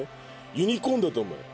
ユニコーンだと思え。